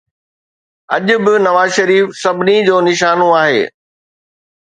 اڄ به نواز شريف سڀني جو نشانو آهي.